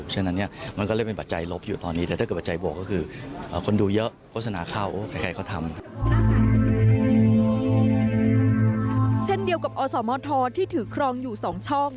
เช่นเดียวกับอสมทที่ถือครองอยู่๒ช่อง